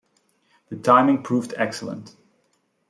The timing proved excellent.